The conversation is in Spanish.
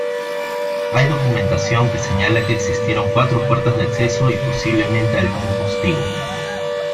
Hay documentación que señala que existieron cuatro puertas de acceso y posiblemente algún postigo.